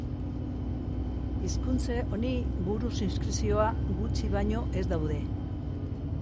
Hizkuntz honi buruz inskripzio gutxi baino ez daude.